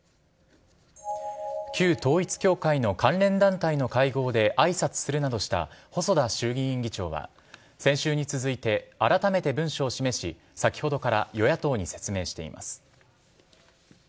旧統一教会の関連団体の会合で挨拶するなどした細田衆議院議長は先週に続いてあらためて文書を示し先ほどから与野党に説明しています。